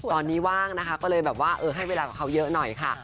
ตอนนี้ว่างนะคะก็เลยแบบว่าให้เวลากับเขาเยอะหน่อยค่ะ